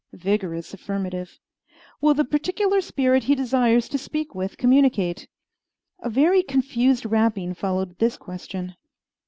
Vigorous affirmative. "Will the particular spirit he desires to speak with communicate?" A very confused rapping followed this question.